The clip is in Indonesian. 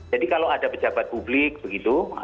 jadi kalau ada pejabat publik begitu